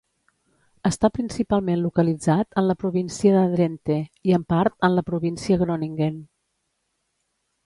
Està principalment localitzat en la província de Drenthe i en part en la província Groningen.